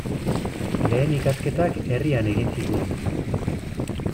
Lehen ikasketak herrian egin zituen.